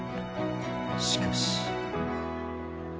しかし。